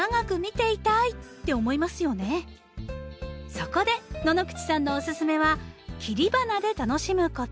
そこで野々口さんのおすすめは切り花で楽しむこと。